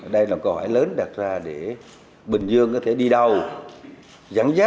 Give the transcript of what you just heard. đây là câu hỏi lớn đặt ra để bình dương có thể đi đâu gián giác